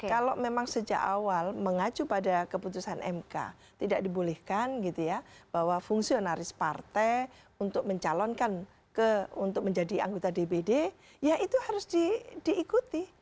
kalau memang sejak awal mengacu pada keputusan mk tidak dibolehkan gitu ya bahwa fungsionaris partai untuk mencalonkan untuk menjadi anggota dpd ya itu harus diikuti